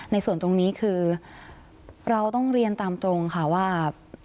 ในส่วนตรงนี้คือเราต้องเรียนตามตรงค่ะว่า